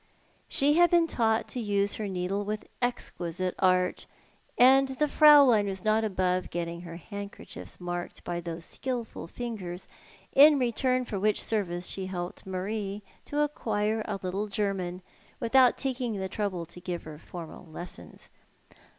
She had been taught to use her needle with exquisite art, and the Fraulein was not above getting her handkerchiefs marked by those skilful fingers, in return for which service she helped Marie to acquire a little German, without taking the trouble to give her formal lessons.